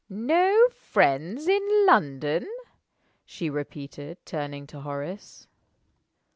"No friends in London!" she repeated, turning to Horace.